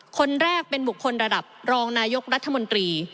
คนแรกเป็นบุคคลระดับรองนายกรัฐมนตรี